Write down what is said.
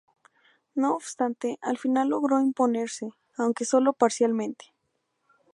No obstante, al final logró imponerse, aunque solo parcialmente.